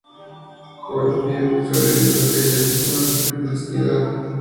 Honey Pie sobrevive a la caída y se va la clandestinidad.